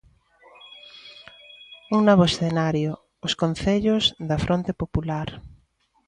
Un novo escenario: os concellos da Fronte Popular.